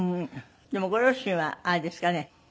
でもご両親はあれですかね？